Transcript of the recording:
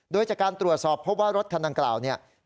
โดยจากการตรวจสอบพบว่ารถคันดังกล่าวเนี่ย